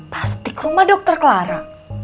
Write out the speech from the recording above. pasti ke rumah dokter clara